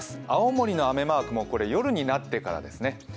青森の雨マークも夜になってからですね。